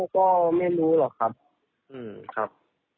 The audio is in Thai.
ก็ไม่รู้หรอกครับ